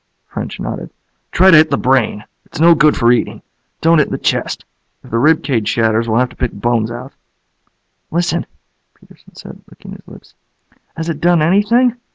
French nodded. "Try to hit the brain. It's no good for eating. Don't hit the chest. If the rib cage shatters, we'll have to pick bones out." "Listen," Peterson said, licking his lips. "Has it done anything?